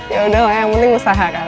yaudah lah yang penting usaha kan